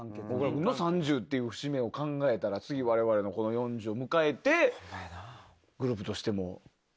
大倉君の３０っていう節目を考えたら次われわれのこの４０を迎えてグループとしても。